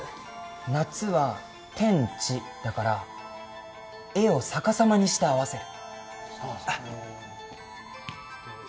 夏は「天・地」だから絵を逆さまにして合わせる。